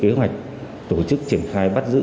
đề xuất kế hoạch tổ chức triển khai bắt giữ